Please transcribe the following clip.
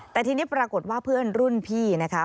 แต่ทีนี้ปรากฏว่าเพื่อนรุ่นพี่นะคะ